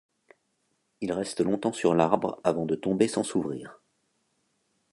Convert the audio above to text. Ils restent longtemps sur l'arbre avant de tomber sans s'ouvrir.